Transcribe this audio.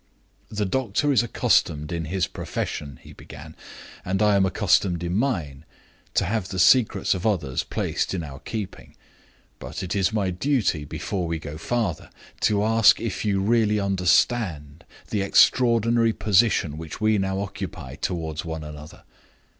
"The doctor is accustomed in his profession," he began, "and I am accustomed in mine, to have the secrets of others placed in our keeping. But it is my duty, before we go further, to ask if you really understand the extraordinary position which we now occupy toward one another.